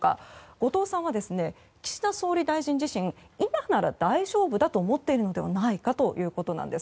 後藤さんは、岸田総理大臣自身今なら大丈夫だと思っているのではないかということです。